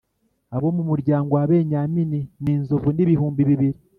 Abo mu muryango wa Benyamini ni inzovu n’ibihumbi bibiri.